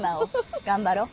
頑張ろう。